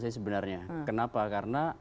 sebenarnya kenapa karena